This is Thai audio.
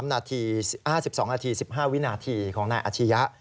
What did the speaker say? ๕๒นาที๑๕วินาทีของนายอาชียะ